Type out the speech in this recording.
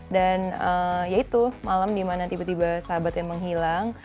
dan ya itu malam dimana tiba tiba sahabatnya menghilang